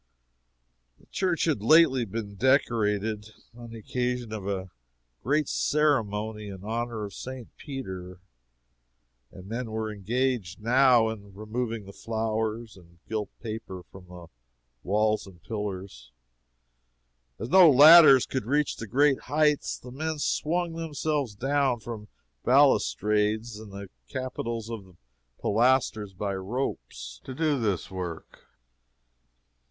The church had lately been decorated, on the occasion of a great ceremony in honor of St. Peter, and men were engaged, now, in removing the flowers and gilt paper from the walls and pillars. As no ladders could reach the great heights, the men swung themselves down from balustrades and the capitals of pilasters by ropes, to do this work.